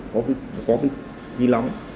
có cái khí lóng